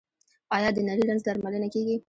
آیا د نري رنځ درملنه کیږي؟